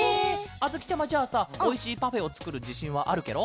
あづきちゃまじゃあさおいしいパフェをつくるじしんはあるケロ？